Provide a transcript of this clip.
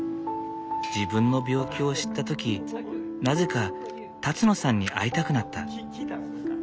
自分の病気を知った時なぜか辰野さんに会いたくなった。